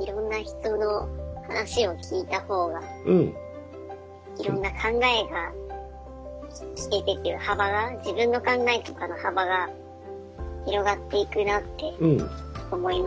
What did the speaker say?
いろんな人の話を聞いた方がいろんな考えが聞けてっていう幅が自分の考えとかの幅が広がっていくなって思いました。